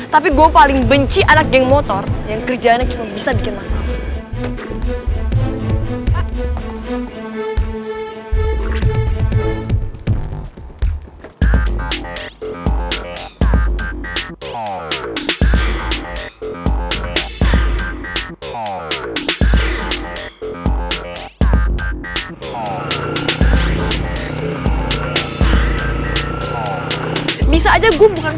tapi gue paling benci anak geng motor yang kerjaannya cuma bisa bikin masalah